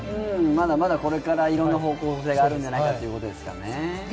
まだまだこれからいろんな方向性があるんじゃないかということですね。